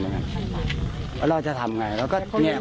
แล้วจะทำไงแล้วก็แหน่มา